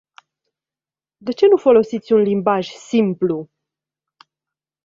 De ce nu folosiți un limbaj simplu?